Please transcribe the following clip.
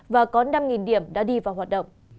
và có năm điểm đã đi vào hoạt động